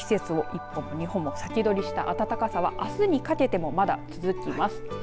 この、季節を一歩も二歩も先取りした暖かさはあすにかけても、まだ続きます。